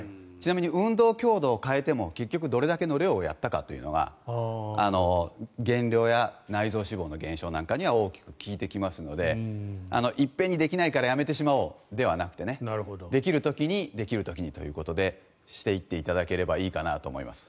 運動強度を変えても結局どれだけの量をやったかが減量や内臓脂肪の減少には大きくつながってきますので一遍にできないからやめてしまおうではなくてできる時にということでしていっていただければいいかなと思います。